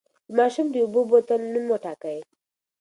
د ماشوم د اوبو بوتل نوم وټاکئ.